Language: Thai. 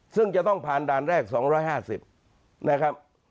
ซึ่งจะต้องผ่านด่านแรก๒๕๐นะครับ